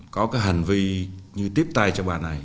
có cái hành vi như tiếp tay cho bà này